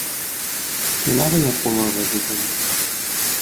تو نباید قماربازی کنی.